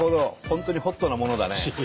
本当にホットなものだね。